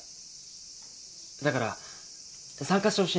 だから参加してほしいんだ。